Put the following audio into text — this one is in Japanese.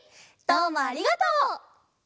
どうもありがとう！